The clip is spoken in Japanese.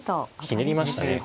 ひねりましたね